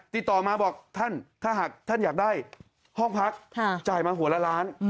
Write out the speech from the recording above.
ติดต่อมาบอกท่านถ้าหากท่านอยากได้ห้องพักจ่ายมาหัวละล้าน